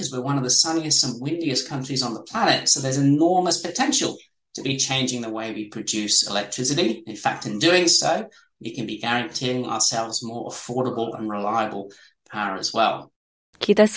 mengandung resiko kesehatan yang sangat signifikan